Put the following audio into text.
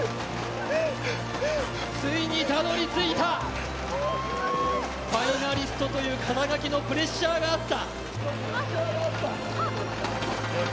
ついにたどり着いた、ファイナリストという肩書にプレッシャーがあった。